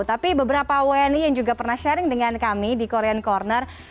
tapi beberapa wni yang juga pernah sharing dengan kami di korean corner